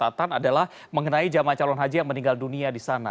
jadi catatan adalah mengenai jemaah calon haji yang meninggal dunia di sana